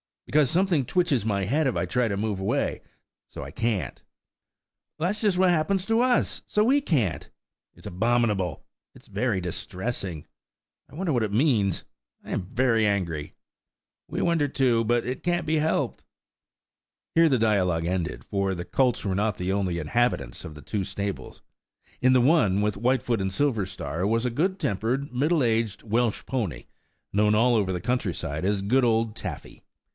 "Because something twitches my head if I try to move away; so I can't." "That's just what happens to us; so we can't." "It's abominable!" "It's very distressing." "I wonder what it means! I am very angry." "We wonder too, but it can't be helped." Here the dialogue ended, for the colts were not the only inhabitants of the two stables. In the one, with Whitefoot and Silverstar, was a good tempered, middle aged, Welsh pony, known all over the country side as good old Taffy.